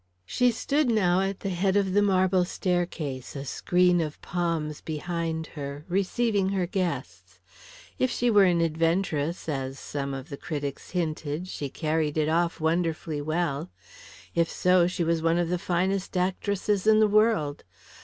She stood now at the head of the marble staircase, a screen of palms behind her, receiving her guests. If she were an adventuress, as some of the critics hinted, she carried it off wonderfully well. If so she was one of the finest actresses in the world.